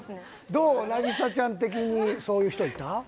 どう凪咲ちゃん的にそういう人いた？